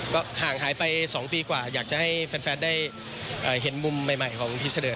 ก็ห่างหายไป๒ปีกว่าอยากจะให้แฟนได้เห็นมุมใหม่ของพี่เสดอ